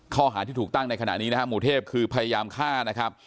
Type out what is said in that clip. ข้อหาที่ถูกตั้งในขณะนี้นะครับหมู่เทพคือพยายามฆ่านะครับ